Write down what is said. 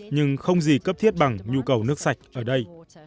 nhưng không gì cấp thiết bằng nhu cầu nước sạch ở đây